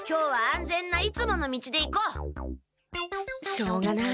しょうがない。